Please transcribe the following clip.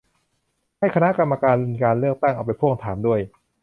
ให้คณะกรรมการการเลือกตั้ง เอาไปพ่วงถามด้วย